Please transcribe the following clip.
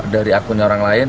dari akunnya orang lain